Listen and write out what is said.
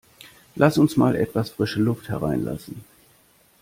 Lass uns mal etwas frische Luft hereinlassen!